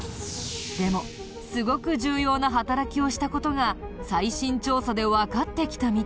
でもすごく重要な働きをした事が最新調査でわかってきたみたい。